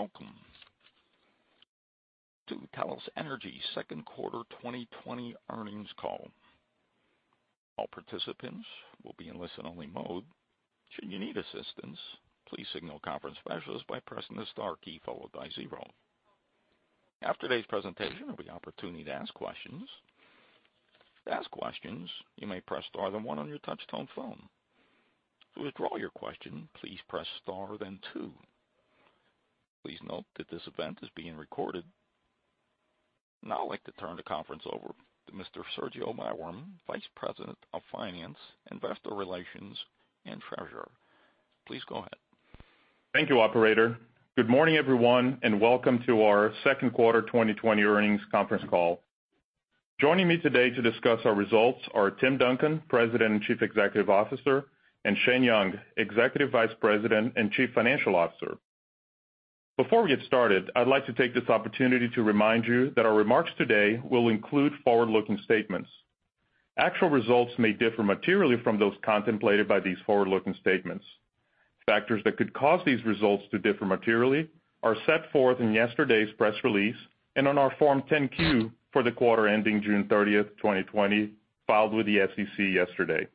Welcome to Talos Energy's Second Quarter 2020 Earnings Call. All participants will be in listen-only mode. Should you need assistance, please signal a conference specialist by pressing the star key followed by zero. After today's presentation, there will be an opportunity to ask questions. To ask questions, you may press star, then one, on your touch-tone phone. To withdraw your question, please press star, then two. Please note that this event is being recorded. I'd like to turn the conference over to Mr. Sergio Maiworm, Vice President of Finance, Investor Relations, and Treasurer. Please go ahead. Thank you, operator. Good morning, everyone, and welcome to our second quarter 2020 earnings conference call. Joining me today to discuss our results are Tim Duncan, President and Chief Executive Officer, and Shane Young, Executive Vice President and Chief Financial Officer. Before we get started, I'd like to take this opportunity to remind you that our remarks today will include forward-looking statements. Actual results may differ materially from those contemplated by these forward-looking statements. Factors that could cause these results to differ materially are set forth in yesterday's press release and on our Form 10-Q for the quarter ending June 30th, 2020, filed with the SEC yesterday.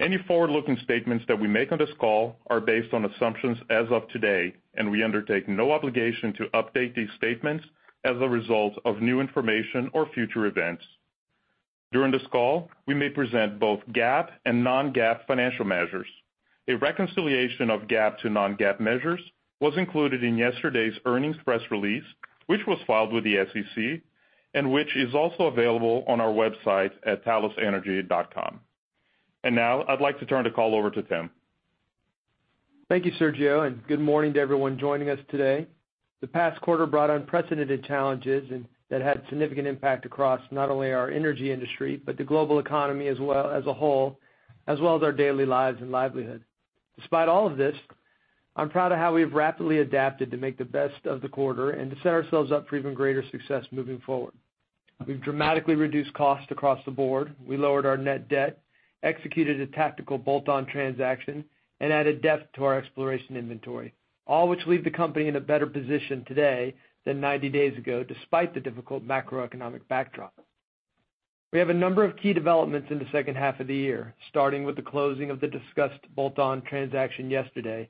Any forward-looking statements that we make on this call are based on assumptions as of today, and we undertake no obligation to update these statements as a result of new information or future events. During this call, we may present both GAAP and non-GAAP financial measures. A reconciliation of GAAP to non-GAAP measures was included in yesterday's earnings press release, which was filed with the SEC and which is also available on our website at talosenergy.com. Now I'd like to turn the call over to Tim. Thank you, Sergio, and good morning to everyone joining us today. The past quarter brought unprecedented challenges. That had significant impact across not only our energy industry but the global economy as a whole as well as our daily lives and livelihood. Despite all of this, I'm proud of how we've rapidly adapted to make the best of the quarter and to set ourselves up for even greater success moving forward. We've dramatically reduced costs across the board. We lowered our net debt, executed a tactical bolt-on transaction, and added depth to our exploration inventory, all of which leave the company in a better position today than 90 days ago, despite the difficult macroeconomic backdrop. We have a number of key developments in the second half of the year, starting with the closing of the discussed bolt-on transaction yesterday,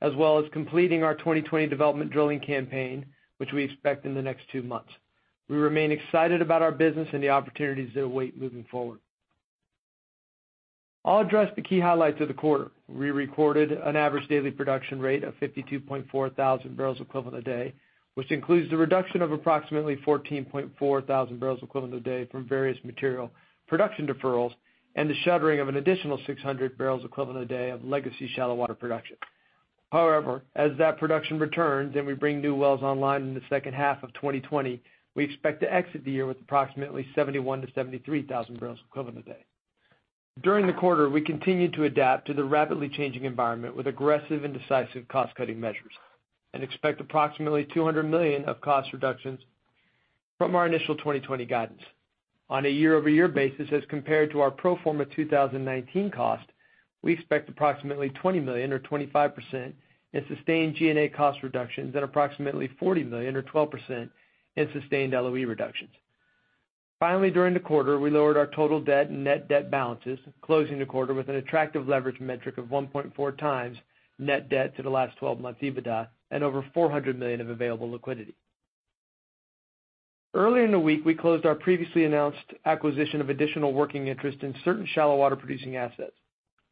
as well as completing our 2020 development drilling campaign, which we expect in the next two months. We remain excited about our business and the opportunities that await moving forward. I'll address the key highlights of the quarter. We recorded an average daily production rate of 52,400 barrels equivalent per day, which includes the reduction of approximately 14,400 barrels equivalent per day from various material production deferrals and the shuttering of an additional 600 barrels equivalent per day of legacy shallow water production. As that production returns and we bring new wells online in the second half of 2020, we expect to exit the year with approximately 71,000-73,000 barrels a day equivalent. During the quarter, we continued to adapt to the rapidly changing environment with aggressive and decisive cost-cutting measures and expect approximately $200 million of cost reductions from our initial 2020 guidance. On a year-over-year basis as compared to our pro forma 2019 cost, we expect approximately $20 million or 25% in sustained G&A cost reductions and approximately $40 million or 12% in sustained LOE reductions. Finally, during the quarter, we lowered our total debt and net debt balances, closing the quarter with an attractive leverage metric of 1.4x net debt to the last 12 months' EBITDA and over $400 million of available liquidity. Earlier in the week, we closed our previously announced acquisition of additional working interest in certain shallow-water producing assets.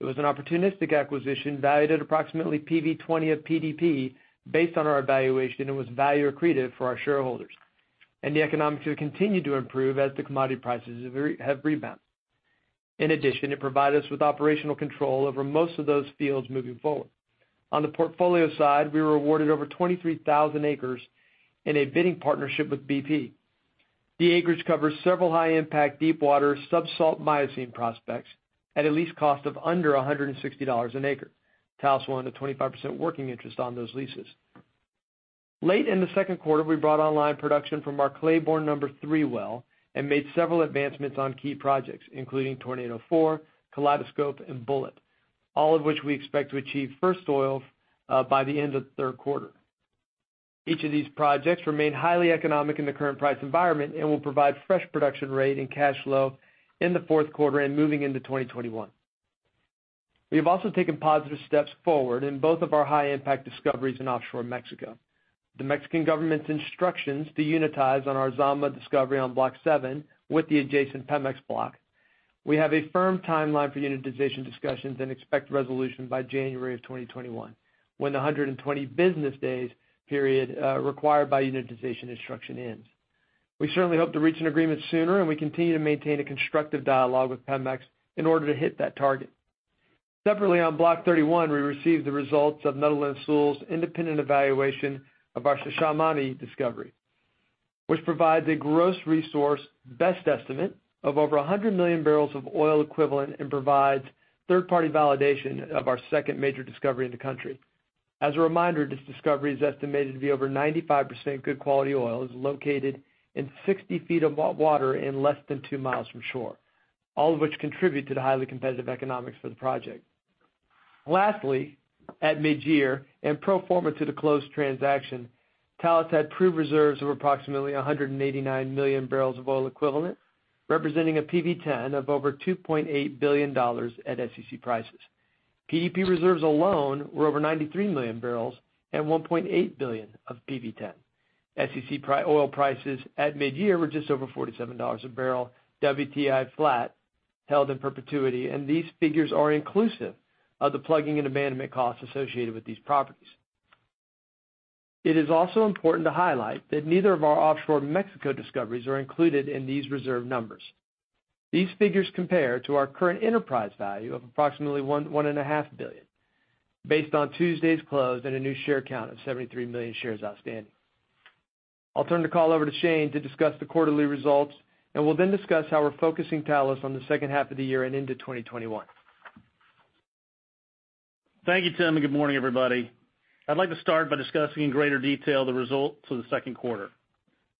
It was an opportunistic acquisition valued at approximately PV-20 of PDP based on our evaluation and was value-accretive for our shareholders. The economics will continue to improve as the commodity prices have rebounded. In addition, it provided us with operational control over most of those fields moving forward. On the portfolio side, we were awarded over 23,000 acres in a bidding partnership with BP. The acreage covers several high-impact, deepwater subsalt Miocene prospects at a lease cost of under $160 an acre. Talos will own a 25% working interest on those leases. Late in the second quarter, we brought online production from our Claiborne number three well and made several advancements on key projects, including Tornado 4, Kaleidoscope, and Bulleit, all of which we expect to achieve first oil by the end of the third quarter. Each of these projects remains highly economic in the current price environment and will provide a fresh production rate and cash flow in the fourth quarter and moving into 2021. We have also taken positive steps forward in both of our high-impact discoveries in offshore Mexico. The Mexican government's instructions to unitize our Zama discovery on Block 7 with the adjacent Pemex block. We have a firm timeline for unitization discussions and expect resolution by January of 2021, when the 120 business days period required by the unitization instruction ends. We certainly hope to reach an agreement sooner, and we continue to maintain a constructive dialogue with Pemex in order to hit that target. Separately, on Block 31, we received the results of Netherland, Sewell's independent evaluation of our Xochimilco discovery, which provides a gross resource best estimate of over 100 million barrels of oil equivalent and provides third-party validation of our second major discovery in the country. As a reminder, this discovery is estimated to be over 95% good-quality oil and is located in 60 feet of water and less than two miles from shore, all of which contribute to the highly competitive economics for the project. Lastly, at mid-year and pro forma to the closed transaction, Talos had proved reserves of approximately 189 million barrels of oil equivalent, representing a PV-10 of over $2.8 billion at SEC prices. PDP reserves alone were over 93 million barrels at $1.8 billion of PV-10. SEC oil prices at mid-year were just over $47 a barrel, WTI flat held in perpetuity, and these figures are inclusive of the plugging and abandonment costs associated with these properties. It is also important to highlight that neither of our offshore Mexico discoveries is included in these reserve numbers. These figures compare to our current enterprise value of approximately $1.5 billion, based on Tuesday's close and a new share count of 73 million shares outstanding. I'll turn the call over to Shane to discuss the quarterly results and will then discuss how we're focusing Talos on the second half of the year and into 2021. Thank you, Tim. Good morning, everybody. I'd like to start by discussing in greater detail the results for the second quarter.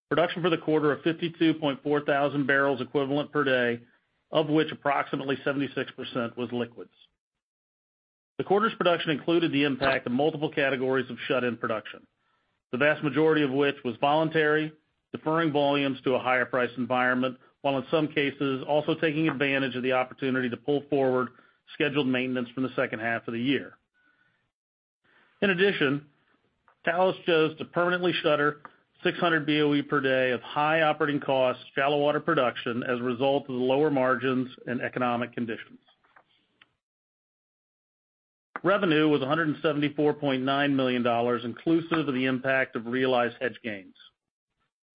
Production for the quarter was 52.4 thousand barrels equivalent per day, of which approximately 76% was liquids. The quarter's production included the impact of multiple categories of shut-in production, the vast majority of which was voluntary, deferring volumes to a higher price environment while in some cases also taking advantage of the opportunity to pull forward scheduled maintenance from the second half of the year. In addition, Talos chose to permanently shutter 600 BOE per day of high-operating-cost shallow water production as a result of the lower margins and economic conditions. Revenue was $174.9 million, inclusive of the impact of realized hedge gains.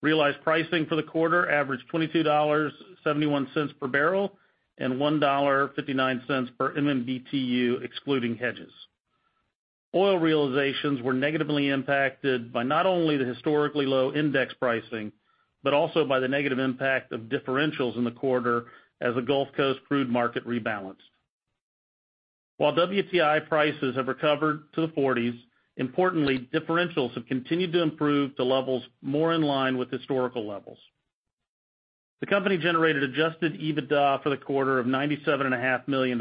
Realized pricing for the quarter averaged $22.71 per barrel and $1.59 per MMBtu excluding hedges. Oil realizations were negatively impacted by not only the historically low index pricing but also by the negative impact of differentials in the quarter as the Gulf Coast crude market rebalanced. While WTI prices have recovered to the 40s, importantly, differentials have continued to improve to levels more in line with historical levels. The company generated adjusted EBITDA for the quarter of $97.5 million,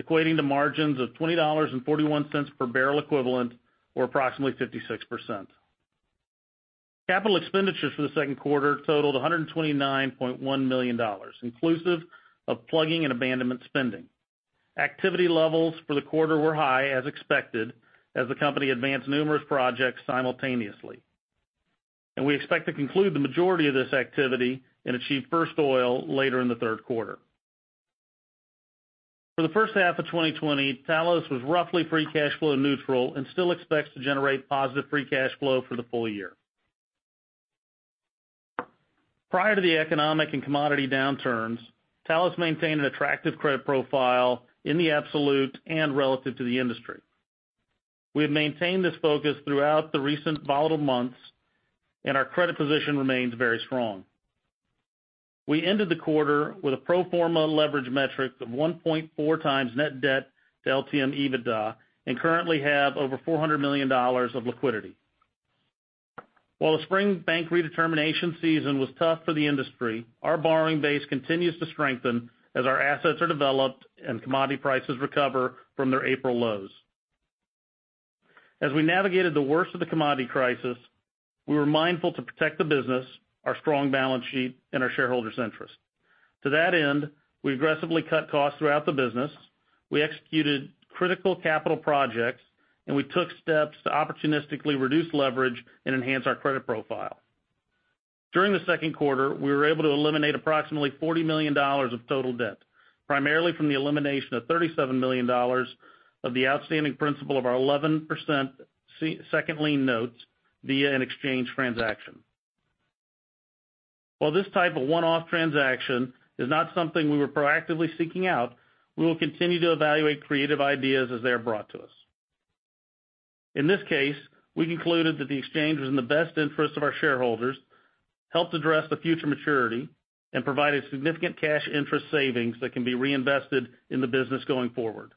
equating to margins of $20.41 per barrel equivalent or approximately 56%. Capital expenditures for the second quarter totaled $129.1 million, inclusive of plugging and abandonment spending. Activity levels for the quarter were high as expected, as the company advanced numerous projects simultaneously. We expect to conclude the majority of this activity and achieve first oil later in the third quarter. For the first half of 2020, Talos Energy was roughly free cash flow neutral and still expects to generate positive free cash flow for the full year. Prior to the economic and commodity downturns, Talos Energy maintained an attractive credit profile in the absolute and relative to the industry. We have maintained this focus throughout the recent volatile months, and our credit position remains very strong. We ended the quarter with a pro forma leverage metric of 1.4x net debt to LTM EBITDA and currently have over $400 million of liquidity. While the spring bank redetermination season was tough for the industry, our borrowing base continues to strengthen as our assets are developed and commodity prices recover from their April lows. As we navigated the worst of the commodity crisis, we were mindful to protect the business, our strong balance sheet, and our shareholders' interests. To that end, we aggressively cut costs throughout the business, we executed critical capital projects, and we took steps to opportunistically reduce leverage and enhance our credit profile. During the second quarter, we were able to eliminate approximately $40 million of total debt, primarily from the elimination of $37 million of the outstanding principal of our 11% second lien notes via an exchange transaction. While this type of one-off transaction is not something we were proactively seeking out, we will continue to evaluate creative ideas as they are brought to us. In this case, we concluded that the exchange was in the best interest of our shareholders, helped address the future maturity, and provided significant cash interest savings that can be reinvested in the business going forward.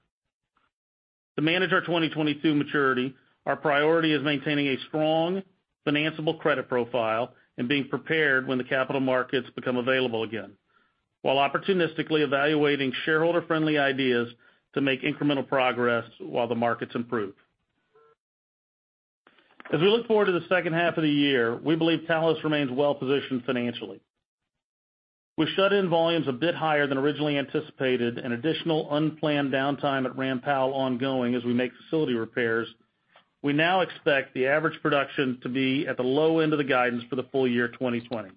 To manage our 2022 maturity, our priority is maintaining a strong financeable credit profile and being prepared when the capital markets become available again, while opportunistically evaluating shareholder-friendly ideas to make incremental progress while the markets improve. We look forward to the second half of the year, we believe Talos remains well-positioned financially. With shut-in volumes a bit higher than originally anticipated and additional unplanned downtime at Ram Powell ongoing as we make facility repairs, we now expect the average production to be at the low end of the guidance for the full year 2020.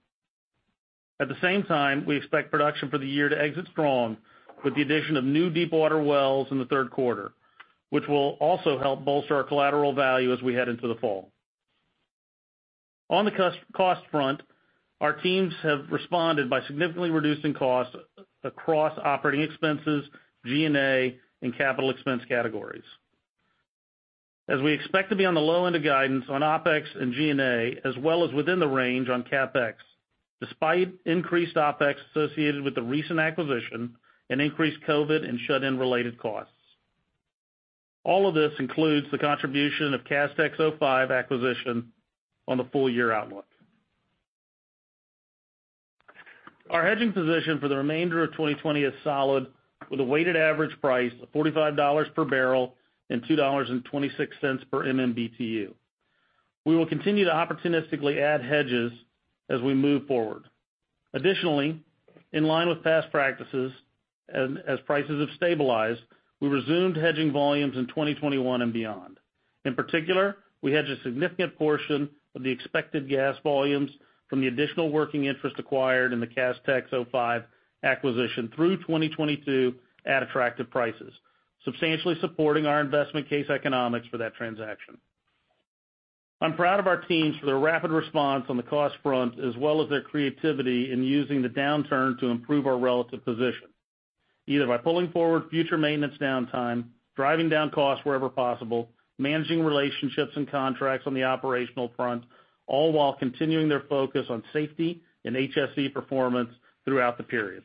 At the same time, we expect production for the year to exit strong with the addition of new deepwater wells in the third quarter, which will also help bolster our collateral value as we head into the fall. On the cost front, our teams have responded by significantly reducing costs across operating expenses, G&A, and CapEx categories. We expect to be on the low end of guidance on OpEx and G&A, as well as within the range on CapEx, despite increased OpEx associated with the recent acquisition and increased COVID and shut-in-related costs. All of this includes the contribution of the Castex Energy 2005 acquisition to the full-year outlook. Our hedging position for the remainder of 2020 is solid, with a weighted average price of $45 per barrel and $2.26 per MMBtu. We will continue to opportunistically add hedges as we move forward. In line with past practices, as prices have stabilized, we resumed hedging volumes in 2021 and beyond. In particular, we hedged a significant portion of the expected gas volumes from the additional working interest acquired in the Castex Energy 2005 acquisition through 2022 at attractive prices, substantially supporting our investment case economics for that transaction. I'm proud of our teams for their rapid response on the cost front as well as their creativity in using the downturn to improve our relative position, either by pulling forward future maintenance downtime, driving down costs wherever possible, or managing relationships and contracts on the operational front, all while continuing their focus on safety and HSE performance throughout the period.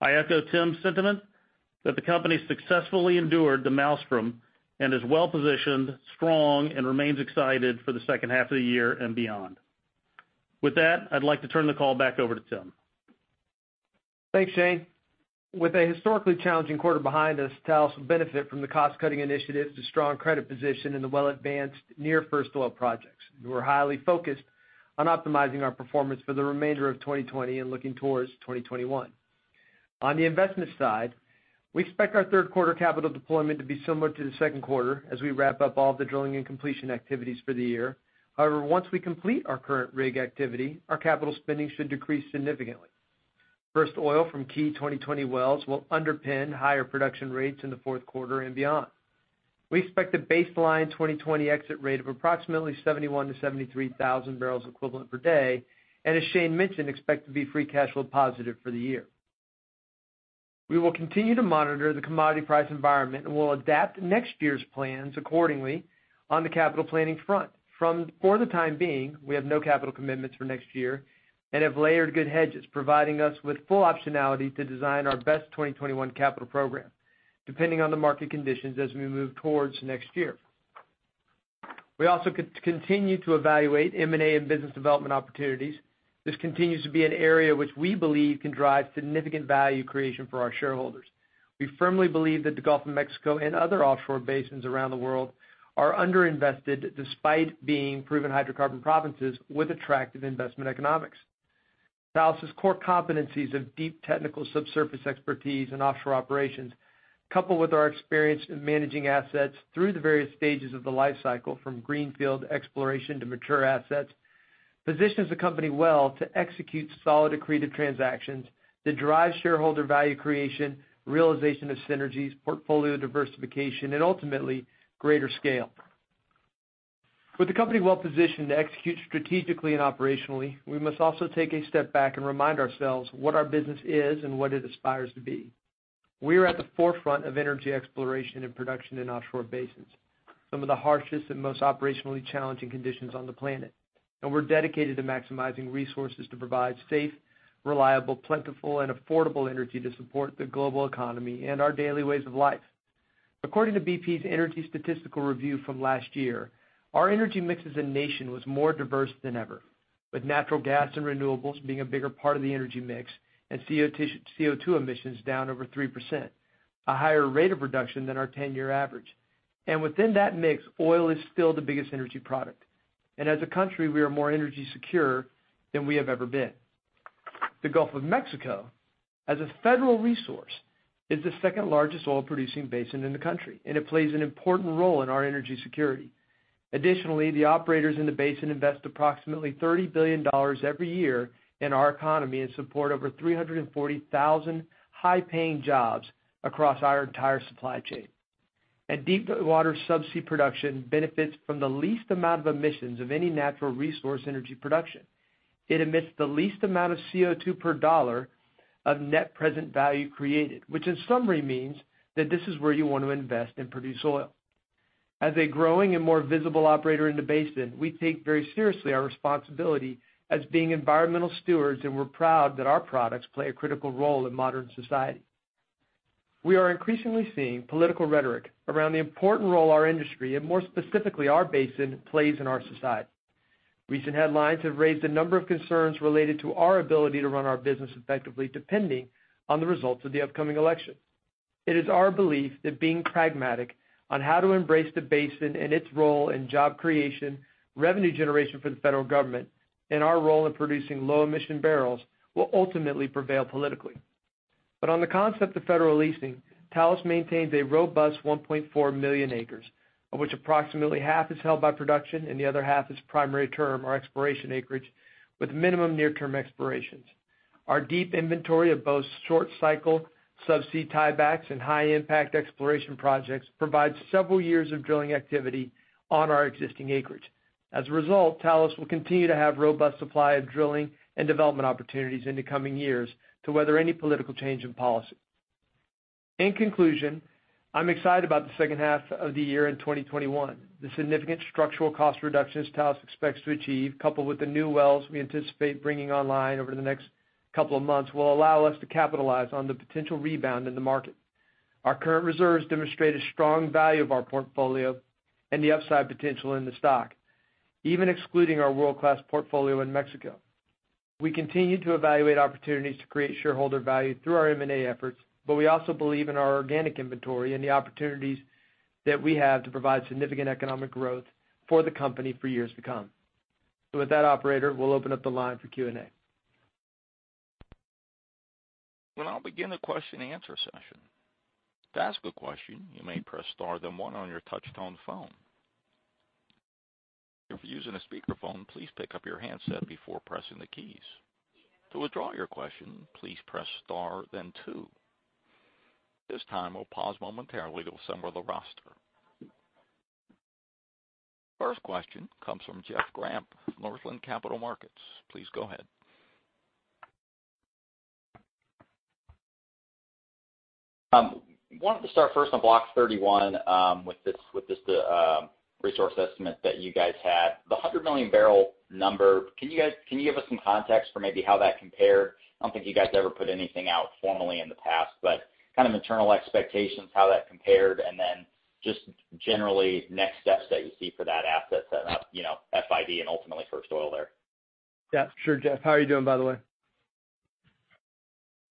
I echo Tim's sentiment that the company successfully endured the maelstrom and is well-positioned, strong, and remains excited for the second half of the year and beyond. With that, I'd like to turn the call back over to Tim. Thanks, Shane. With a historically challenging quarter behind us, Talos will benefit from the cost-cutting initiatives to a strong credit position in the well-advanced near-first oil projects. We're highly focused on optimizing our performance for the remainder of 2020 and looking towards 2021. On the investment side, we expect our third quarter capital deployment to be similar to the second quarter as we wrap up all of the drilling and completion activities for the year. Once we complete our current rig activity, our capital spending should decrease significantly. First oil from key 2020 wells will underpin higher production rates in the fourth quarter and beyond. We expect a baseline 2020 exit rate of approximately 71,000-73,000 barrels equivalent per day, and as Shane mentioned, expect to be free cash flow positive for the year. We will continue to monitor the commodity price environment and will adapt next year's plans accordingly on the capital planning front. For the time being, we have no capital commitments for next year and have layered good hedges, providing us with full optionality to design our best 2021 capital program, depending on the market conditions as we move towards next year. We also continue to evaluate M&A and business development opportunities. This continues to be an area that we believe can drive significant value creation for our shareholders. We firmly believe that the Gulf of Mexico and other offshore basins around the world are under-invested despite being proven hydrocarbon provinces with attractive investment economics. Talos' core competencies of deep technical subsurface expertise in offshore operations, coupled with our experience in managing assets through the various stages of the life cycle, from greenfield exploration to mature assets, position the company well to execute solid accretive transactions that drive shareholder value creation, realization of synergies, portfolio diversification, and ultimately, greater scale. With the company well positioned to execute strategically and operationally, we must also take a step back and remind ourselves what our business is and what it aspires to be. We are at the forefront of energy exploration and production in offshore basins, some of the harshest and most operationally challenging conditions on the planet, and we're dedicated to maximizing resources to provide safe, reliable, plentiful, and affordable energy to support the global economy and our daily ways of life. According to BP's energy statistical review from last year, our energy mix as a nation was more diverse than ever, with natural gas and renewables being a bigger part of the energy mix and CO₂ emissions down over 3%, a higher rate of reduction than our 10-year average. Within that mix, oil is still the biggest energy product. As a country, we are more energy secure than we have ever been. The Gulf of Mexico, as a federal resource, is the second-largest oil-producing basin in the country, and it plays an important role in our energy security. Additionally, the operators in the basin invest approximately $30 billion every year in our economy and support over 340,000 high-paying jobs across our entire supply chain. Deepwater subsea production benefits from the least amount of emissions of any natural resource energy production. It emits the least amount of CO₂ per dollar of net present value created, which, in summary, means that this is where you want to invest and produce oil. As a growing and more visible operator in the basin, we take very seriously our responsibility as environmental stewards, and we're proud that our products play a critical role in modern society. We are increasingly seeing political rhetoric around the important role our industry, and more specifically our basin, plays in our society. Recent headlines have raised a number of concerns related to our ability to run our business effectively, depending on the results of the upcoming election. It is our belief that being pragmatic on how to embrace the basin and its role in job creation, revenue generation for the federal government, and our role in producing low-emission barrels will ultimately prevail politically. On the concept of federal leasing, Talos maintains a robust 1.4 million acres, of which approximately half are held by production and the other half are primary term or exploration acreage with minimum near-term expirations. Our deep inventory of both short cycle subsea tiebacks and high-impact exploration projects provides several years of drilling activity on our existing acreage. As a result, Talos will continue to have a robust supply of drilling and development opportunities in the coming years to weather any political change in policy. In conclusion, I'm excited about the second half of the year in 2021. The significant structural cost reductions Talos expects to achieve, coupled with the new wells we anticipate bringing online over the next couple of months, will allow us to capitalize on the potential rebound in the market. Our current reserves demonstrate a strong value of our portfolio and the upside potential in the stock, even excluding our world-class portfolio in Mexico. We continue to evaluate opportunities to create shareholder value through our M&A efforts, but we also believe in our organic inventory and the opportunities that we have to provide significant economic growth for the company for years to come. With that, operator, we'll open up the line for Q&A. We'll now begin the question and answer session. To ask a question, you may press the star, then one on your touch-tone phone. If you're using a speakerphone, please pick up your handset before pressing the keys. To withdraw your question, please press star, then two. At this time, we'll pause momentarily to assemble the roster. First question comes from Jeff Grampp, Northland Capital Markets. Please go ahead. Wanted to start first on Block 31 with this resource estimate that you guys had. The 100 million barrel number, can you give us some context for maybe how that compared? I don't think you guys ever put anything out formally in the past, but kind of internal expectations, how that compared, and then just generally next steps that you see for that asset setup, you know, FID and ultimately first oil there. Yeah, sure, Jeff. How are you doing, by the way?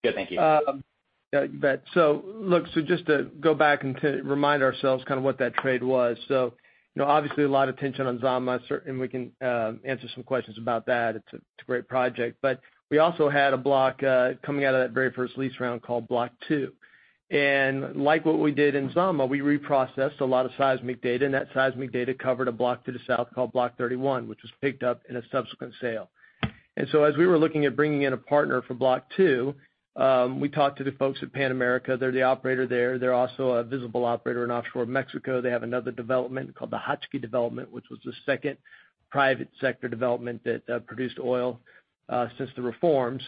Good, thank you. Yeah, you bet. Just to go back and to remind ourselves kind of what that trade was. You know, obviously a lot of attention on Zama, certainly we can answer some questions about that. It's a great project. We also had a block coming out of that very first lease round called Block 2. Like what we did in Zama, we reprocessed a lot of seismic data, and that seismic data covered a block to the south called Block 31, which was picked up in a subsequent sale. As we were looking at bringing in a partner for Block 2, we talked to the folks at Pan American. They're the operators there. They're also a visible operator in offshore Mexico. They have another development called the Hokchi Development, which was the second private-sector development that produced oil since the reforms.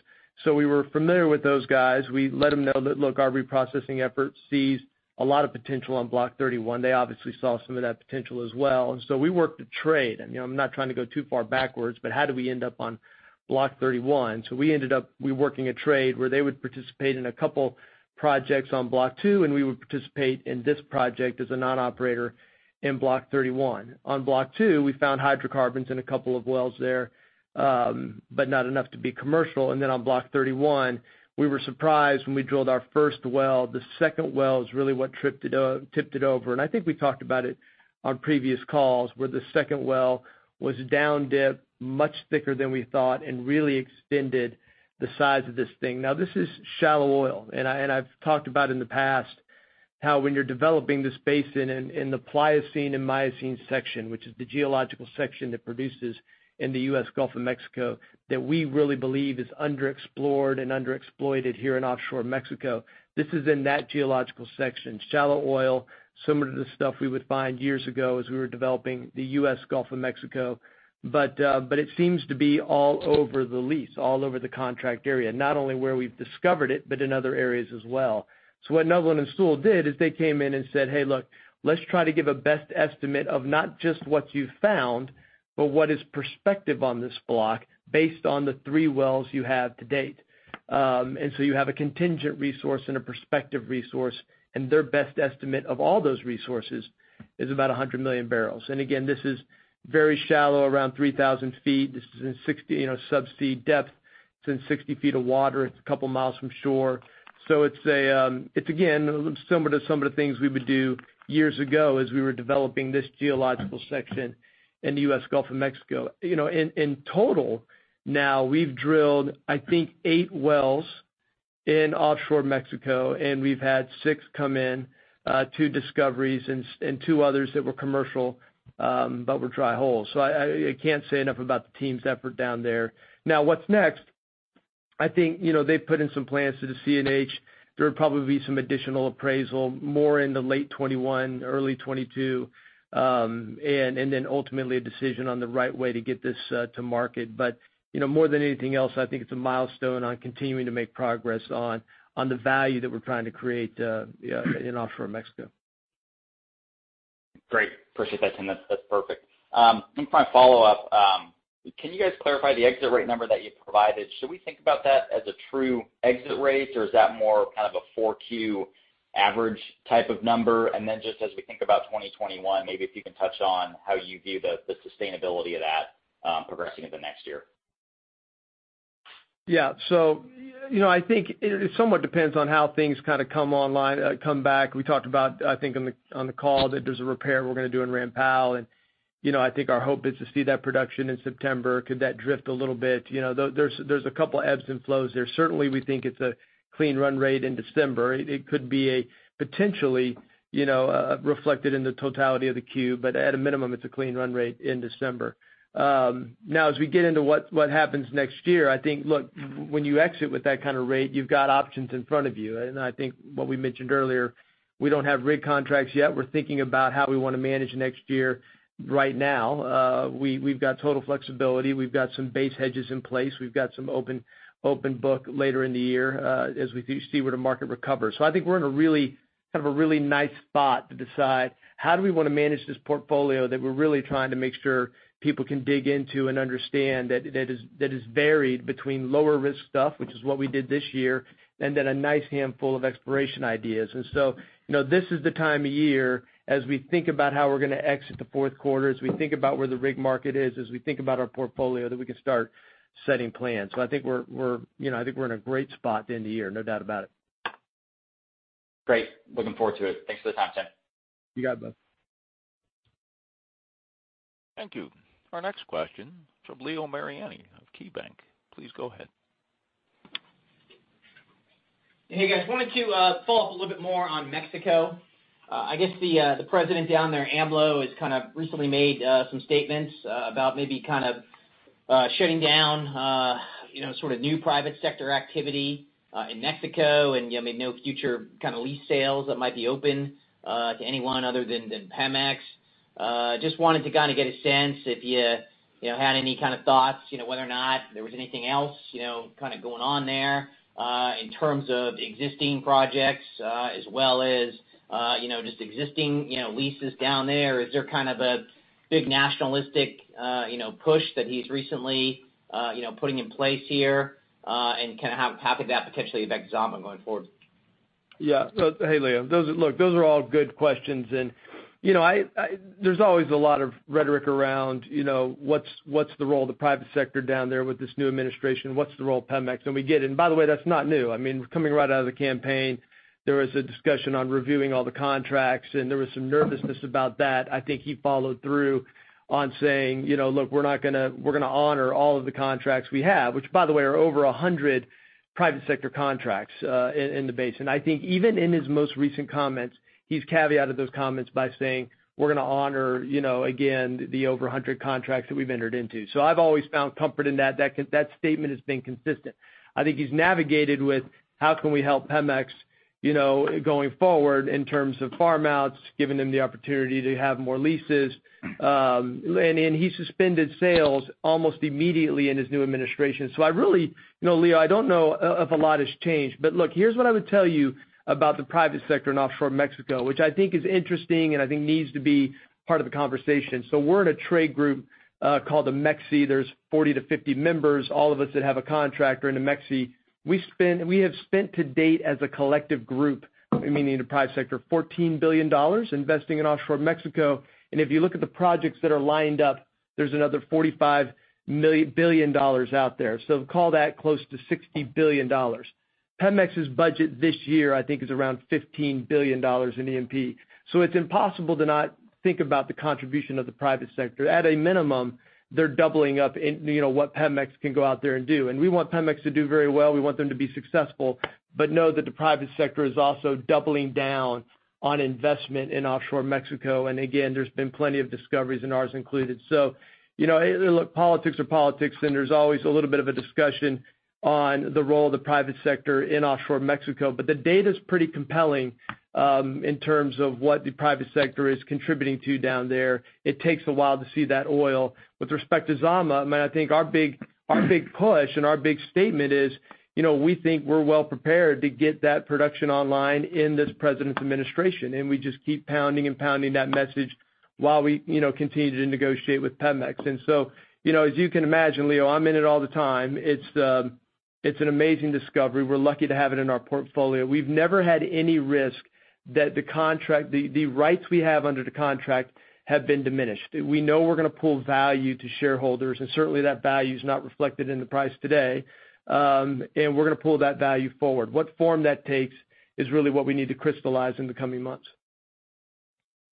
We were familiar with those guys. We let them know that, look, our reprocessing efforts seized a lot of potential on Block 31. They obviously saw some of that potential as well. We worked a trade, you know. I'm not trying to go too far backwards, but how do we end up on Block 31? We ended up working a trade where they would participate in a couple projects on Block 2, and we would participate in this project as a non-operator in Block 31. On Block 2, we found hydrocarbons in a couple of wells there, but not enough to be commercial. On Block 31, we were surprised when we drilled our first well. The second well is really what tipped it over. I think we talked about it on previous calls, where the second well was down-dip much thicker than we thought and really extended the size of this thing. This is shallow oil, I've talked about in the past how when you're developing this basin in the Pliocene and Miocene section, which is the geological section that produces in the U.S. Gulf of Mexico, we really believe it is underexplored and underexploited here in offshore Mexico. This is in that geological section. Shallow oil, similar to the stuff we would find years ago as we were developing the U.S. Gulf of Mexico. It seems to be all over the lease, all over the contract area, not only where we've discovered it but in other areas as well. What Netherland Sewell did is they came in and said, Hey, look, let's try to give a best estimate of not just what you found but what is prospective on this block based on the three wells you have to date. You have a contingent resource and a prospective resource, and their best estimate of all those resources is about 100 million barrels. Again, this is very shallow, around 3,000ft. This is in 60 subsea depth. It's in 60ft of water. It's a couple miles from shore. It's again similar to some of the things we would do years ago as we were developing this geological section in the U.S. Gulf of Mexico. You know, in total now, we've drilled, I think, eight wells in offshore Mexico, and we've had six come in, two discoveries and two others that were commercial but were dry holes. I can't say enough about the team's effort down there. What's next? I think, you know, they've put in some plans to the CNH. There would probably be some additional appraisal, more in the late 2021, early 2022, and then ultimately a decision on the right way to get this to market. You know, more than anything else, I think it's a milestone in continuing to make progress on the value that we're trying to create in offshore Mexico. Great. Appreciate that, Tim. That's perfect. I think my follow-up, can you guys clarify the exit rate number that you provided? Should we think about that as a true exit rate, or is that more kind of a Q4 average type of number? Just as we think about 2021, maybe you can touch on how you view the sustainability of that, progressing into next year. Yeah. You know, I think it somewhat depends on how things kinda come online, come back. We talked about, I think, on the call that there's a repair we're going to do in Ram Powell, and you know, I think our hope is to see that production in September. Could that drift a little bit? You know, there are a couple ebbs and flows there. Certainly, we think it's a clean run rate in December. It could be a potential, you know, reflected in the totality of the quarter, but at a minimum, it's a clean run rate in December. As we get into what happens next year, I think, look, when you exit with that kind of rate, you've got options in front of you. I think what we mentioned earlier: we don't have rig contracts yet. We're thinking about how we want to manage next year right now. We've got total flexibility. We've got some basic hedges in place. We've got some open book later in the year as we do see where the market recovers from. I think we're in a really nice spot to decide how we want to manage this portfolio that we're really trying to make sure people can dig into and understand that is varied between lower-risk stuff, which is what we did this year, and then a nice handful of exploration ideas. This is the time of year as we think about how we're going to exit the fourth quarter, as we think about where the rig market is, and as we think about our portfolio, that we can start setting plans. I think we're in a great spot to end the year, no doubt about it. Great. Looking forward to it. Thanks for the time, Tim. You got it, bud. Thank you. Our next question from Leo Mariani of KeyBank. Please go ahead. Hey, guys. Wanted to follow up a little bit more on Mexico. I guess the president down there, AMLO, has recently made some statements about maybe shutting down new private sector activity in Mexico and no future lease sales that might be open to anyone other than Pemex. Just wanted to get a sense if you had any kind of thoughts, whether or not there was anything else going on there in terms of existing projects as well as just existing leases down there. Is there kind of a big nationalistic push that he's recently putting in place here? How could that potentially affect Zama going forward? Yeah. Hey, Leo. Look, those are all good questions. There's always a lot of rhetoric around what the role of the private sector is down there with this new administration. What's the role of Pemex? By the way, that's not new. Coming right out of the campaign, there was a discussion on reviewing all the contracts, and there was some nervousness about that. I think he followed through on saying, Look, we're going to honor all of the contracts we have, which, by the way, are over 100 private sector contracts in the base. I think even in his most recent comments, he's caveated those comments by saying, We're going to honor, again, the over 100 contracts that we've entered into. I've always found comfort in that. That statement has been consistent. I think he's navigated with how can we help Pemex going forward in terms of farm-outs, giving them the opportunity to have more leases. He suspended sales almost immediately in his new administration. Leo, I don't know if a lot has changed, but look, here's what I would tell you about the private sector in offshore Mexico, which I think is interesting and I think needs to be part of the conversation. We're in a trade group called the AMEXHI. There's 40 to 50 members, all of us that have a contract are in the AMEXHI. We have spent to date as a collective group, meaning the private sector, $14 billion investing in offshore Mexico. If you look at the projects that are lined up, there's another $45 billion out there. Call that close to $60 billion. Pemex's budget this year, I think, is around $15 billion in E&P. It's impossible to not think about the contribution of the private sector. At a minimum, they're doubling up in what Pemex can go out there and do. We want Pemex to do very well. We want them to be successful. Know that the private sector is also doubling down on investment in offshore Mexico. Again, there's been plenty of discoveries, and ours are included. Look, politics are politics, and there's always a little bit of a discussion on the role of the private sector in offshore Mexico. The data's pretty compelling in terms of what the private sector is contributing to down there. It takes a while to see that oil. With respect to Zama, I think our big push and our big statement are we think we're well prepared to get that production online in this president's administration, we just keep pounding and pounding that message while we continue to negotiate with Pemex. As you can imagine, Leo, I'm in it all the time. It's an amazing discovery. We're lucky to have it in our portfolio. We've never had any risk that the rights we have under the contract have been diminished. We know we're going to pull value for shareholders, and certainly that value's not reflected in the price today. We're going to pull that value forward. What form that takes is really what we need to crystallize in the coming months.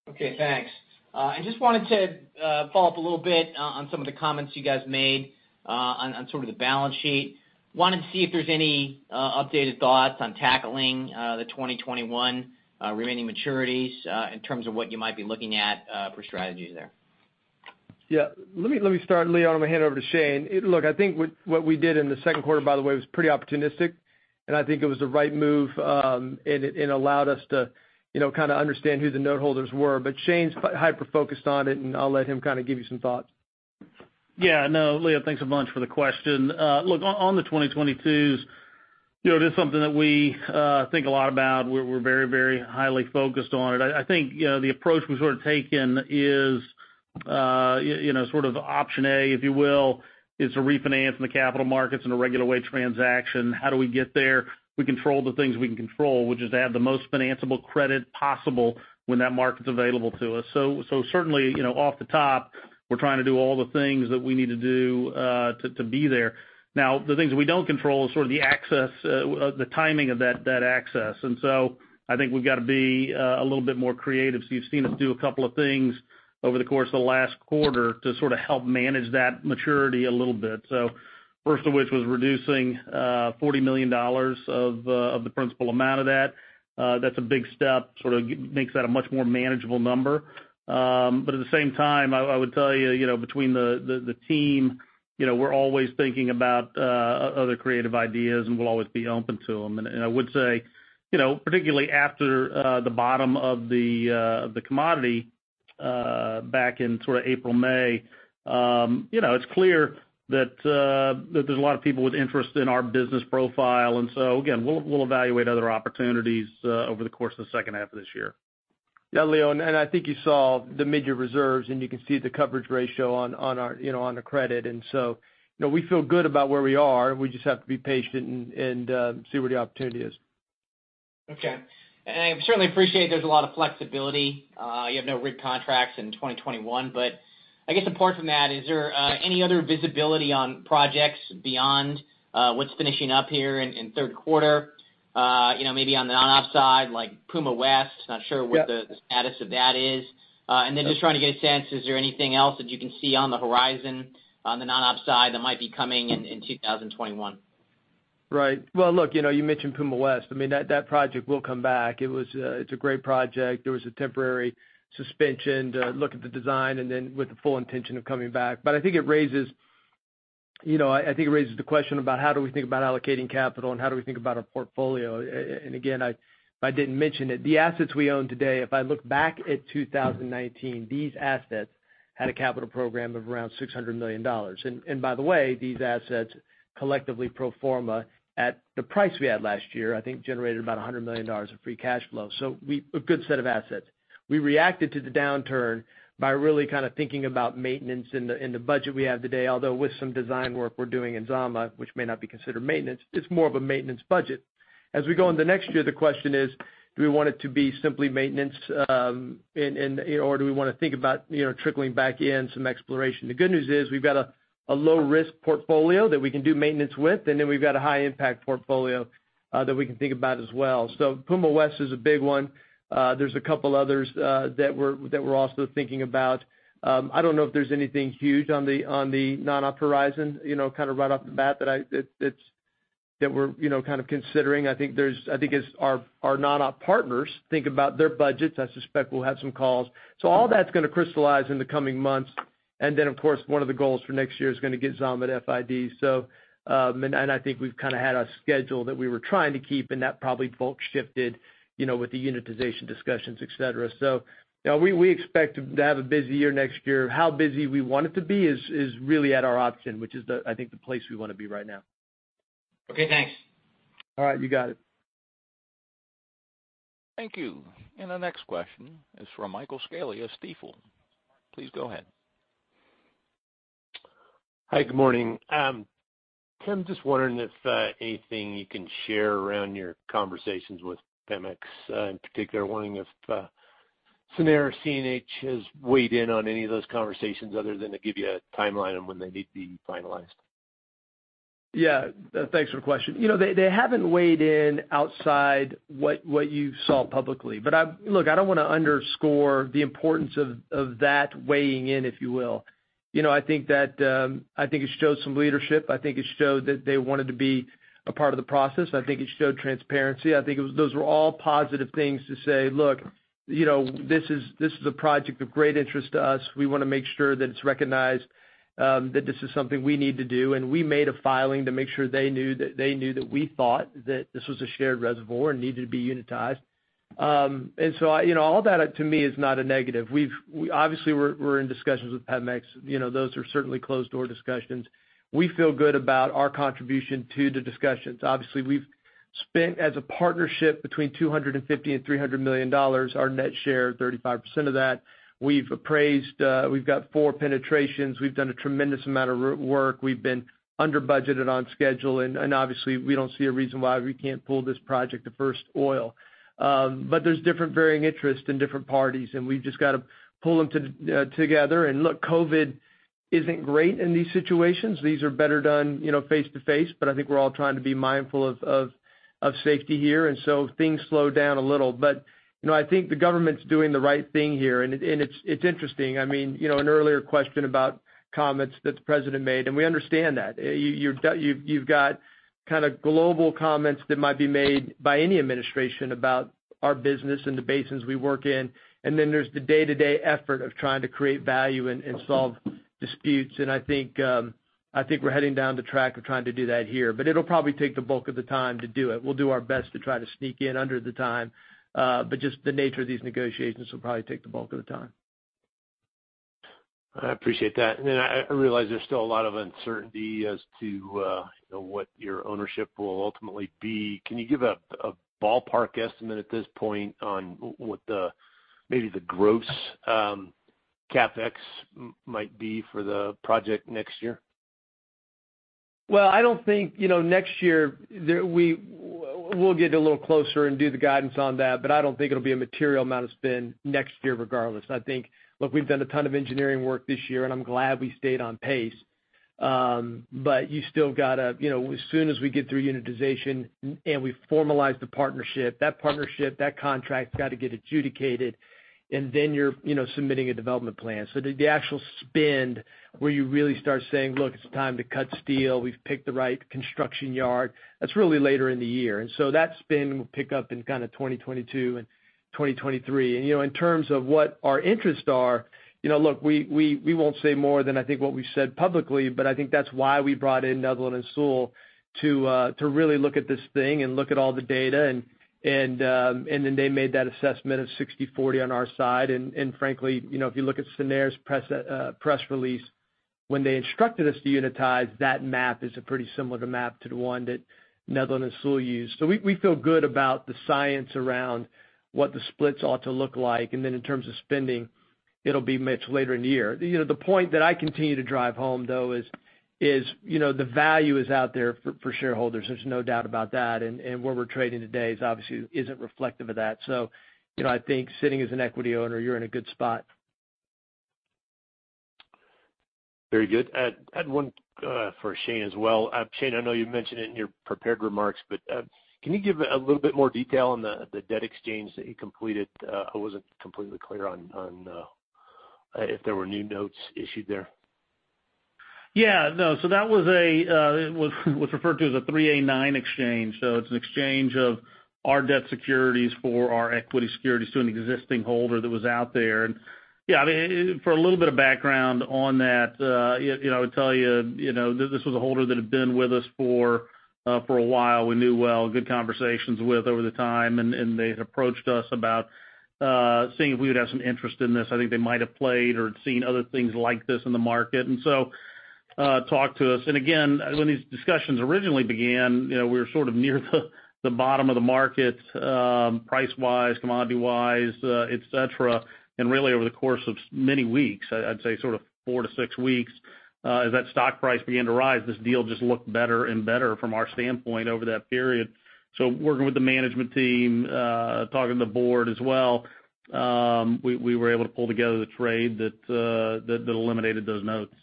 Okay, thanks. I just wanted to follow up a little bit on some of the comments you guys made on sort of the balance sheet. I wanted to see if there are any updated thoughts on tackling the 2021 remaining maturities in terms of what you might be looking at for strategies there. Yeah. Let me start, Leo, and I'm going to hand it over to Shane. Look, I think what we did in the second quarter, by the way, was pretty opportunistic, and I think it was the right move, and it allowed us to kind of understand who the note holders were. Shane's hyper-focused on it, and I'll let him give you some thoughts. No, Leo, thanks a bunch for the question. Look, in the 2020s, it is something that we think a lot about. We're very highly focused on it. I think the approach we've sort of taken is sort of option A, if you will, which is to refinance in the capital markets in a regular way transaction. How do we get there? We control the things we can control, which is to have the most financeable credit possible when that market's available to us. Certainly, off the top, we're trying to do all the things that we need to do to be there. Now, the thing that we don't control is sort of the timing of that access. I think we've got to be a little bit more creative. You've seen us do a couple of things over the course of the last quarter to sort of help manage that maturity a little bit. First of which was reducing $40 million of the principal amount of that. That's a big step; it sort of makes that a much more manageable number. At the same time, I would tell you, between the team, we're always thinking about other creative ideas, and we'll always be open to them. I would say, particularly after the bottom of the commodity back in sort of April and May, it's clear that there are a lot of people with interest in our business profile. Again, we'll evaluate other opportunities over the course of the second half of this year. Yeah, Leo, I think you saw the mid-year reserves, and you can see the coverage ratio on the credit. We feel good about where we are. We just have to be patient and see where the opportunity is. Okay. I certainly appreciate that there's a lot of flexibility. You have no rig contracts in 2021. I guess apart from that, is there any other visibility on projects beyond what's finishing up here in third quarter? Maybe on the non-op side, like Puma West. Yep ...what the status of that is. Then just trying to get a sense, is there anything else that you can see on the horizon, on the non-op side, that might be coming in 2021? Right. Well, look, you mentioned Puma West. I mean, that project will come back. It's a great project. There was a temporary suspension to look at the design and then with the full intention of coming back. I think it raises the question of how we think about allocating capital and how we think about our portfolio. Again, I didn't mention it. The assets we own today, if I look back at 2019, had a capital program of around $600 million. By the way, these assets, collectively pro forma at the price we had last year, I think generated about $100 million of free cash flow. A good set of assets. We reacted to the downturn by really kind of thinking about maintenance in the budget we have today. With some design work we're doing in Zama, which may not be considered maintenance, it's more of a maintenance budget. We go into the next year, the question is, do we want it to be simply maintenance, or do we want to think about trickling back in some exploration? The good news is we've got a low-risk portfolio that we can do maintenance with, and then we've got a high-impact portfolio that we can think about as well. Puma West is a big one. There are a couple others that we're also thinking about. I don't know if there's anything huge on the non-op horizon, kind of right off the bat, that we're kind of considering. I think as our non-op partners think about their budgets, I suspect we'll have some calls. All that's going to crystallize in the coming months. Of course, one of the goals for next year is going to get Zama at FID. I think we've kind of had a schedule that we were trying to keep, and that probably bulk shifted with the unitization discussions, et cetera. Yeah, we expect to have a busy year next year. How busy we want it to be is really at our option, which is, I think, the place we want to be right now. Okay, thanks. All right. You got it. Thank you. The next question is from Michael Scialla, Stifel. Please go ahead. Hi, good morning. Tim, just wondering if there's anything you can share around your conversations with Pemex, in particular, wondering if SENER, CNH has weighed in on any of those conversations other than to give you a timeline on when they need to be finalized. Yeah. Thanks for the question. They haven't weighed in outside what you saw publicly, look, I don't want to underscore the importance of that weighing in, if you will. I think it shows some leadership. I think it showed that they wanted to be a part of the process. I think it showed transparency. I think those were all positive things to say. Look, this is a project of great interest to us. We want to make sure that it's recognized, that this is something we need to do. We made a filing to make sure they knew that we thought that this was a shared reservoir and needed to be unitized. All that to me is not a negative. Obviously, we're in discussions with Pemex. Those are certainly closed-door discussions. We feel good about our contribution to the discussions. We've spent, as a partnership, between $250 and $300 million, our net share is 35% of that. We've appraised, we've got four penetrations. We've done a tremendous amount of root work. We've been under budget and on schedule. Obviously, we don't see a reason why we can't pull this project to the first oil. There are different varying interests in different parties, and we've just got to pull them together. Look, COVID isn't great in these situations. These are better done face-to-face. I think we're all trying to be mindful of safety here, so things slowed down a little. I think the government's doing the right thing here. It's interesting. I mean, an earlier question about comments that the President made, we understand that. You've got kind of global comments that might be made by any administration about our business and the basins we work in. Then there's the day-to-day effort of trying to create value and solve disputes. I think we're heading down the track of trying to do that here. It'll probably take the bulk of the time to do it. We'll do our best to try to sneak in under time, but just the nature of these negotiations will probably take the bulk of the time. I appreciate that. I realize there's still a lot of uncertainty as to what your ownership will ultimately be. Can you give a ballpark estimate at this point on what the maybe gross CapEx might be for the project next year? Well, I don't think next year we'll get a little closer and do the guidance on that, but I don't think it'll be a material amount of spend next year regardless. I think, look, we've done a ton of engineering work this year, and I'm glad we stayed on pace. You still got to as soon as we get through unitization and we formalize the partnership. That partnership, that contract's got to get adjudicated, and then you're submitting a development plan. The actual spend is where you really start saying, Look, it's time to cut steel. We've picked the right construction yard; that's really later in the year. That spend will pick up in kind in 2022 and 2023. In terms of what our interests are. Look, we won't say more than I think we've said publicly, but I think that's why we brought in Netherland and Sewell to really look at this thing and look at all the data, and then they made that assessment of 60/40 on our side. Frankly, if you look at Cenovus's press release, when they instructed us to unitize that map, it is pretty similar to map to the one that Netherland, Sewell used. We feel good about the science around what the splits ought to look like. Then in terms of spending, it'll be much later in the year. The point that I continue to drive home, though, is the value is out there for shareholders. There's no doubt about that. Where we're trading today obviously isn't reflective of that. I think sitting as an equity owner, you're in a good spot. Very good. I had one for Shane as well. Shane, I know you mentioned it in your prepared remarks, but can you give a little bit more detail on the debt exchange that you completed? I wasn't completely clear on if there were new notes issued there. Yeah, no. That was referred to as a 3(a)(9) exchange. It's an exchange of our debt securities for our equity securities to an existing holder that was out there. Yeah, for a little bit of background on that, I would tell you, this was a holder that had been with us for a while. We knew them well, had good conversations over time, and they had approached us about seeing if we would have some interest in this. I think they might have played or seen other things like this in the market. Talked to us. Again, when these discussions originally began, we were sort of near the bottom of the market, price-wise, commodity-wise, et cetera. Really, over the course of many weeks, I'd say sort of four-six weeks, as that stock price began to rise, this deal just looked better and better from our standpoint over that period. Working with the management team and talking to the board as well, we were able to pull together the trade that eliminated those notes.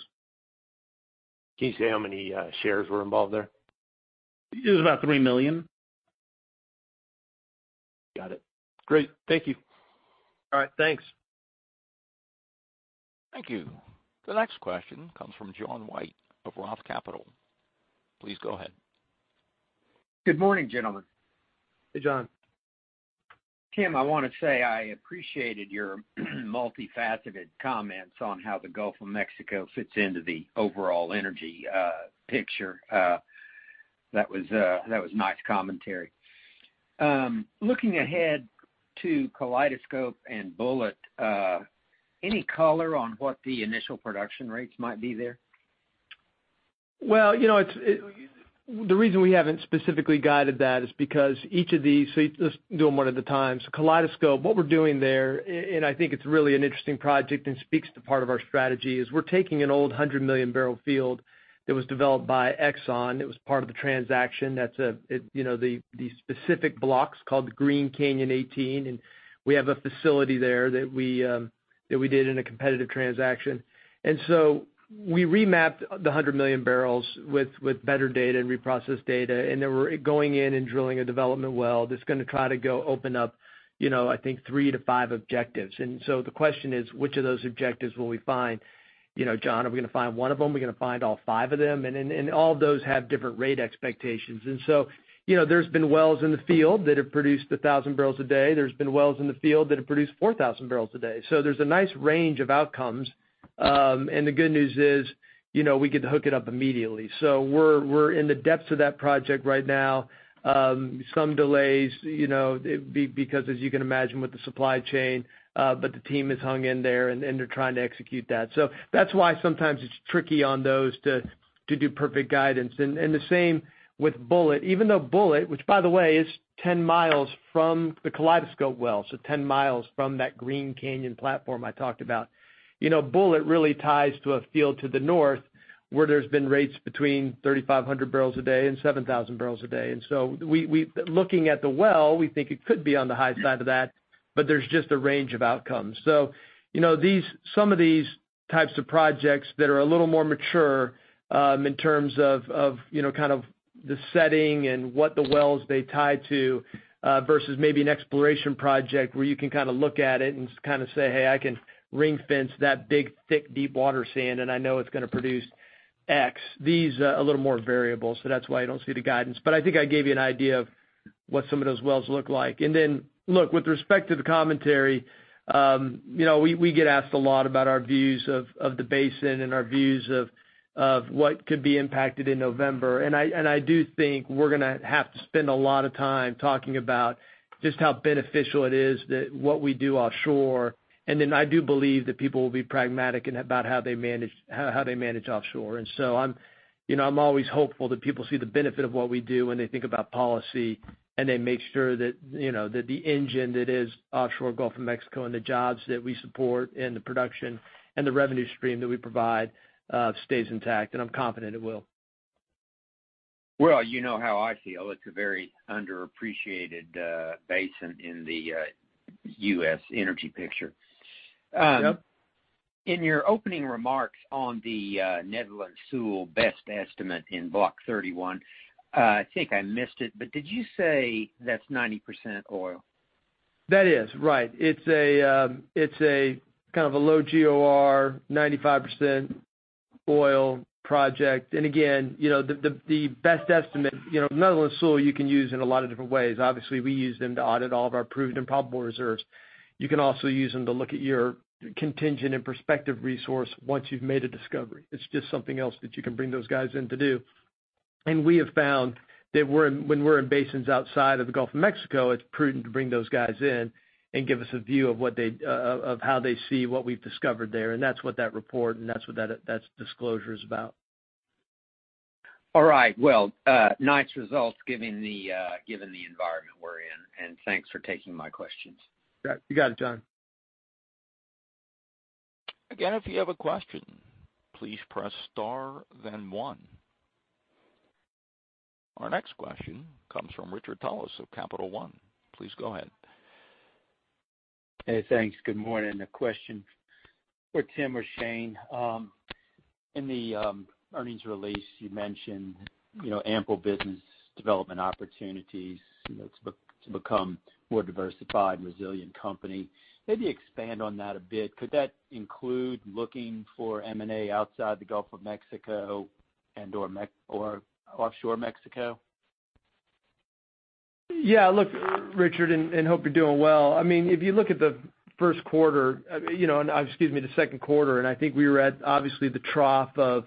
Can you say how many shares were involved there? It was about 3 million. Got it. Great. Thank you. All right, thanks. Thank you. The next question comes from John White of ROTH Capital. Please go ahead. Good morning, gentlemen. Hey, John. Tim, I want to say I appreciated your multifaceted comments on how the Gulf of Mexico fits into the overall energy picture. That was nice commentary. Looking ahead to Kaleidoscope and Bulleit, any color on what the initial production rates might be there? The reason we haven't specifically guided that is Let's do them one at a time. Kaleidoscope, what we're doing there, and I think it's really an interesting project and speaks to part of our strategy, is we're taking an old 100-million-barrel field that was developed by Exxon. It was part of the transaction. The specific block's called Green Canyon 18, and we have a facility there that we did in a competitive transaction. We remapped the 100 million barrels with better data and reprocessed data, and then we're going in and drilling a development well that's going to try to go open up, I think, three to five objectives. The question is, which of those objectives will we find? John, are we going to find one of them? Are we going to find all five of them? All of those have different rate expectations. There've been wells in the field that have produced 1,000 barrels a day. There've been wells in the field that have produced 4,000 barrels a day. There's a nice range of outcomes. The good news is we could hook it up immediately. We're in the depths of that project right now. Some delays, because as you can imagine, with the supply chain, but the team has hung in there, and they're trying to execute that. That's why sometimes it's tricky to do perfect guidance on those. The same with Bulleit. Even though Bulleit, which, by the way, is 10 miles from the Kaleidoscope well, is 10 miles from that Green Canyon platform I talked about. Bulleit really ties to a field to the north where there's been a rate between 3,500 barrels a day and 7,000 barrels a day. Looking at the well, we think it could be on the high side of that, but there's just a range of outcomes. Some of these types of projects are a little more mature in terms of kind of the setting and what the wells they tie to are versus maybe an exploration project where you can kind of look at it and kind of say, Hey, I can ring-fence that big, thick, deep water sand, and I know it's going to produce X. These are a little more variable, so that's why you don't see the guidance. I think I gave you an idea of what some of those wells look like. Look, with respect to the commentary, we get asked a lot about our views of the basin and our views of what could be impacted in November. I do think we're going to have to spend a lot of time talking about just how beneficial what we do offshore is. I do believe that people will be pragmatic about how they manage offshore. I'm always hopeful that people see the benefit of what we do when they think about policy, and they make sure that the engine that is offshore in the Gulf of Mexico and the jobs that we support and the production and the revenue stream that we provide stay intact, and I'm confident they will. Well, you know how I feel. It's a very underappreciated basin in the U.S. energy picture. Yep. In your opening remarks on the Netherland, Sewell's best estimate in block 31, I think I missed it, but did you say that's 90% oil? That is, right. It's a kind of a low GOR, 95% oil project. Again, the best estimate, Netherland Sewell, you can use in a lot of different ways. Obviously, we use them to audit all of our proved and probable reserves. You can also use them to look at your contingent and prospective resources once you've made a discovery. It's just something else that you can bring those guys in to do. We have found that when we're in basins outside of the Gulf of Mexico, it's prudent to bring those guys in and give us a view of how they see what we've discovered there, and that's what that report is about, and that's what that disclosure is about. All right. Well, nice results given the environment we're in, and thanks for taking my questions. You got it, John. Again, if you have a question, please press star, then one. Our next question comes from Richard Tullis of Capital One. Please go ahead. Hey, thanks. Good morning. A question for Tim or Shane. In the earnings release, you mentioned ample business development opportunities to become a more diversified, resilient company. Maybe expand on that a bit. Could that include looking for M&A outside the Gulf of Mexico and/or offshore Mexico? Look, Richard, hope you're doing well. If you look at the second quarter, I think we were obviously at the trough of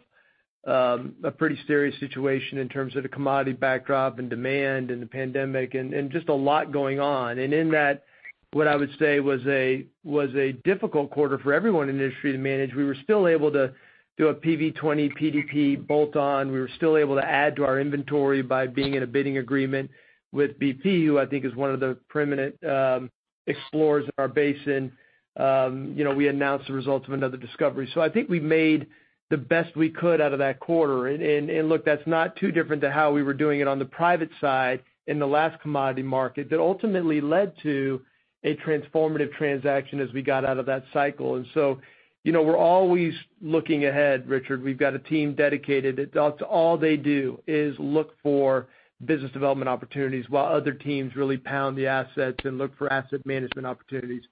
a pretty serious situation in terms of the commodity backdrop and demand and the pandemic and just a lot going on. In that, what I would say was a difficult quarter for everyone in the industry to manage. We were still able to do a PV-20 PDP bolt-on. We were still able to add to our inventory by being in a bidding agreement with BP, who I think is one of the preeminent explorers in our basin. We announced the results of another discovery. I think we made the best we could out of that quarter. Look, that's not too different from how we were doing it on the private side in the last commodity market that ultimately led to a transformative transaction as we got out of that cycle. We're always looking ahead, Richard. We've got a team dedicated. That's all they do is look for business development opportunities while other teams really pound the pavement and look for asset management opportunities.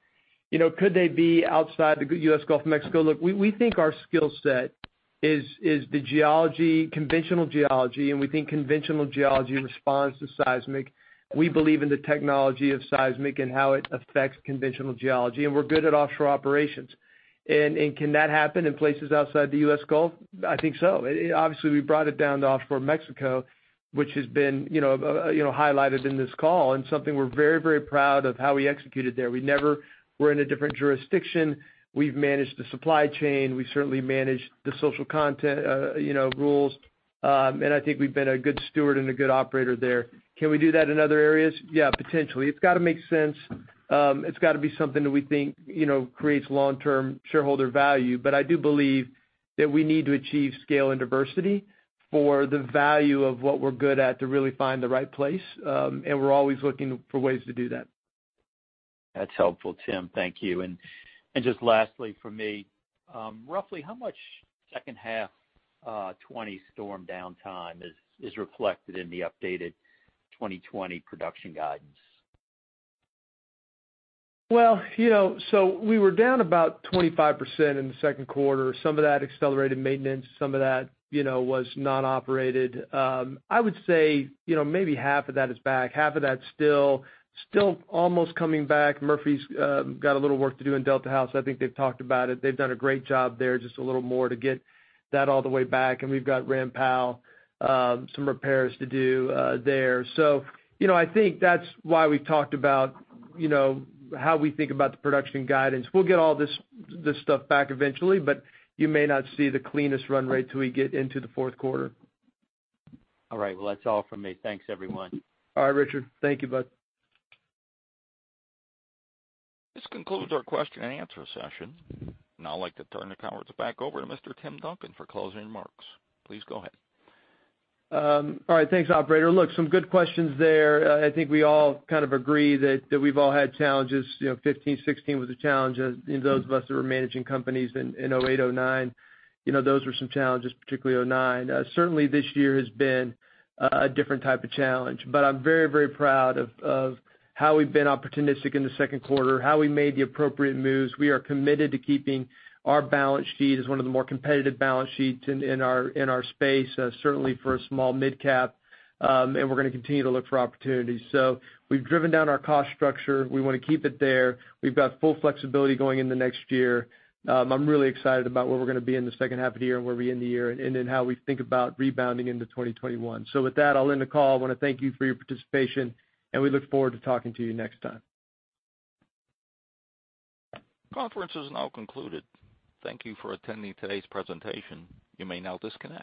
Could they be outside the U.S. Gulf of Mexico? Look, we think our skill set is geology, conventional geology, and we think conventional geology responds to seismic. We believe in the technology of seismic and how it affects conventional geology, and we're good at offshore operations. Can that happen in places outside the U.S. Gulf? I think so. Obviously, we brought it down to offshore Mexico, which has been highlighted in this call, and something we're very, very proud of is how we executed there. We're in a different jurisdiction. We've managed the supply chain. We certainly managed the social content rules. I think we've been good stewards and good operators there. Can we do that in other areas? Yeah, potentially. It's got to make sense. It's got to be something that we think creates long-term shareholder value. I do believe that we need to achieve scale and diversity for the value of what we're good at to really find the right place, and we're always looking for ways to do that. That's helpful, Tim. Thank you. Just lastly from me, roughly how much second-half 2020 storm downtime is reflected in the updated 2020 production guidance? We were down about 25% in the second quarter. Some of that was accelerated maintenance, some of that was non-operated. I would say, maybe half of that is back. Half of that is still almost coming back. Murphy's got a little work to do in Delta House. I think they've talked about it. They've done a great job there, just a little more to get that all the way back. We've got Ram Powell, some repairs to do there. I think that's why we talked about how we think about the production guidance. We'll get all this stuff back eventually, but you may not see the cleanest run rate till we get into the fourth quarter. All right. Well, that's all from me. Thanks, everyone. All right, Richard. Thank you, bud. This concludes our question and answer session. Now I'd like to turn the conference back over to Mr. Tim Duncan for closing remarks. Please go ahead. All right. Thanks, operator. Look, some good questions there. I think we all kind of agree that we've all had challenges. 2015 and 2016 were a challenge. Those of us who were managing companies in 2008, 2009, those were some challenges, particularly 2009. Certainly this year has been a different type of challenge, but I'm very, very proud of how we've been opportunistic in the second quarter and how we made the appropriate moves. We are committed to keeping our balance sheet as one of the more competitive balance sheets in our space, certainly for a small midcap, and we're going to continue to look for opportunities. We've driven down our cost structure. We want to keep it there. We've got full flexibility going into next year. I'm really excited about where we're going to be in the second half of the year and where we end the year and in how we think about rebounding into 2021. With that, I'll end the call. I want to thank you for your participation, and we look forward to talking to you next time. Conference is now concluded. Thank you for attending today's presentation. You may now disconnect.